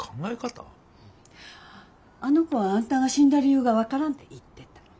あの子はあんたが死んだ理由が分からんって言ってた。